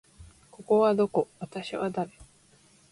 ここはどこ？私は誰？